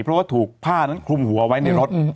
เพราะว่าถูกผ้านั้นคลุมหัวไว้ในรถ